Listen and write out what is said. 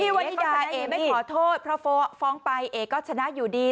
วันนิดาเอ๋ไม่ขอโทษเพราะฟ้องไปเอ๋ก็ชนะอยู่ดี